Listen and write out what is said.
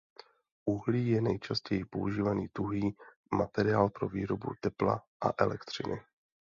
Uhlí je nejčastěji používaný tuhý materiál pro výrobu tepla a elektřiny.